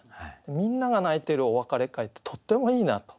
みんなが泣いてるお別れ会ってとってもいいなと。